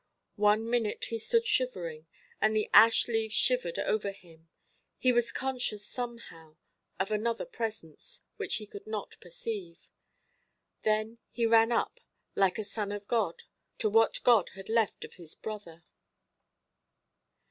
One minute he stood shivering, and the ash–leaves shivered over him. He was conscious somehow of another presence which he could not perceive. Then he ran up, like a son of God, to what God had left of his brother.